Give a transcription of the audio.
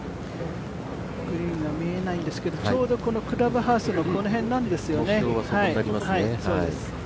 グリーンが見えないんですけどちょうどクラブハウスのこの辺なんですよね。